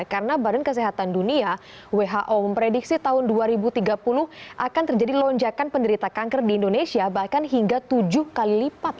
karena badan kesehatan dunia who memprediksi tahun dua ribu tiga puluh akan terjadi lonjakan penderita kanker di indonesia bahkan hingga tujuh kali lipat